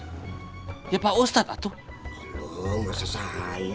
sekarang siapa kira kira yang bisa jadi pemimpinnya